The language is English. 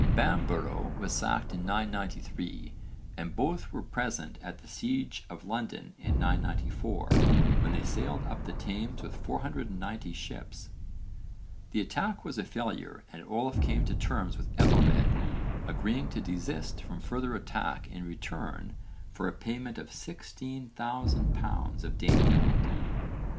Bamborough was sacked in 993, and both were present at the siege of London in 994, when they sailed up the Thames with 490 ships. The attack was a failure and Olaf came to terms with Ethelred agreeing to desist from further attack in return for a payment of sixteen thousand pounds of Danegeld.